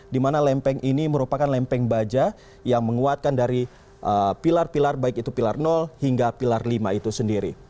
di mana lempeng ini merupakan lempeng baja yang menguatkan dari pilar pilar baik itu pilar hingga pilar lima itu sendiri